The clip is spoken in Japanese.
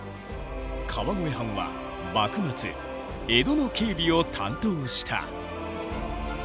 川越藩は幕末江戸の警備を担当した。